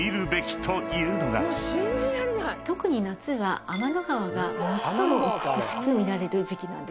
特に夏は天の川が最も美しく見られる時季なんです。